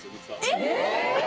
えっ！